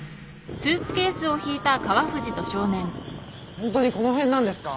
ホントにこの辺なんですか？